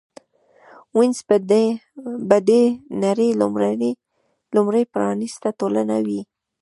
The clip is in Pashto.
وینز به د نړۍ لومړۍ پرانېسته ټولنه وي